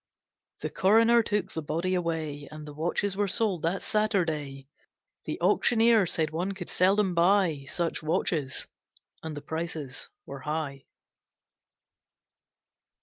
The Coroner took the body away, And the watches were sold that Saturday. The Auctioneer said one could seldom buy Such watches, and the prices were high.